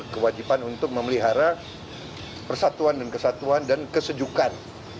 kewajiban untuk memelihara persatuan dan kesatuan dan kesejukan